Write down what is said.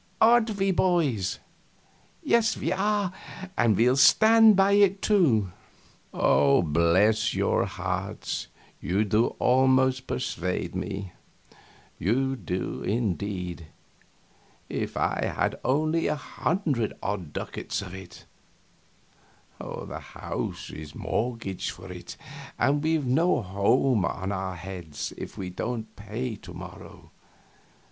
Aren't we, boys?" "Yes, we are and we'll stand by it, too." "Bless your hearts, you do almost persuade me; you do, indeed. If I had only a hundred odd ducats of it! The house is mortgaged for it, and we've no home for our heads if we don't pay to morrow.